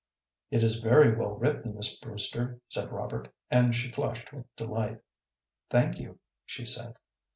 "It is very well written, Miss Brewster," said Robert, and she flushed with delight. "Thank you," she said.